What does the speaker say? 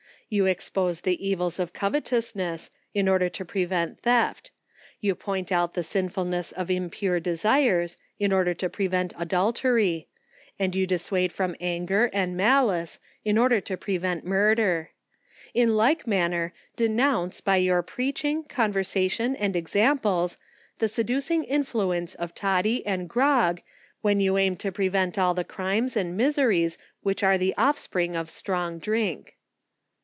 You expose the evils of covet (Busness, in order to prevent theft; you point out the sin fulness of impure desires, in order to prevent adultery ; and you dissuade from anger and maKee, in order to pre vent murder. In like manner, denounce by your preach ing, conversation and examples, the seducing influence of toddy and grog, when you aim to prevent all the crimes and miseries, which are the offsprings of strong drink.